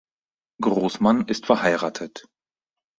Großmann ist verheiratet.